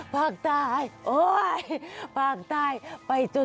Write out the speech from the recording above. ภาคใต้โอ๊ยภาคใต้ไปตรงนี้